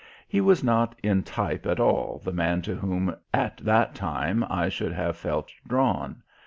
He was not in type at all the man to whom at that time I should have felt drawn.